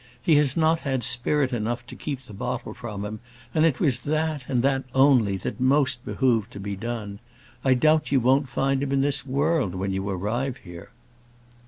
He has not had spirit enough to keep the bottle from him; and it was that, and that only, that most behoved to be done. I doubt you won't find him in this world when you arrive here."